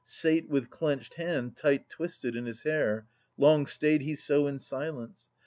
Sate with clenched hand tight twisted in his hair. Long stayed he so in silence.